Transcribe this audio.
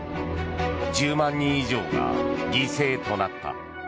１０万人以上が犠牲となった。